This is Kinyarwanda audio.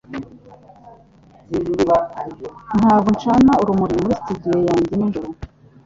Ntabwo ncana urumuri muri studio yanjye nijoro.